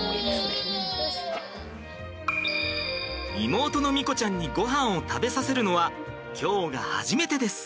妹の美瑚ちゃんにごはんを食べさせるのは今日が初めてです。